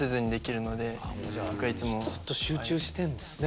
ずっと集中してんですね。